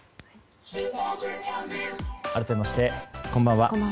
改めましてこんばんは。